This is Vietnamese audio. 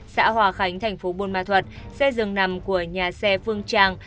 xã hòa khánh thành phố bôn ma thuật xe dường nằm của nhà xe phương tràng